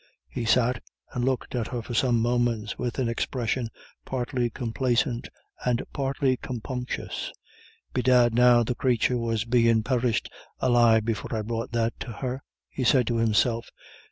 He sat and looked at her for some moments with an expression partly complacent and partly compunctious. "Bedad now the crathur was bein' perished alive before I brought that to her," he said to himself.